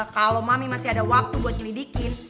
kalo mami masih ada waktu buat nyulidik